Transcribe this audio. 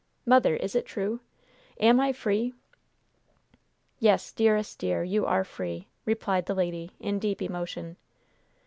Mother, is it true? Am I free?" "Yes, dearest dear, you are free!" replied the lady, in deep emotion.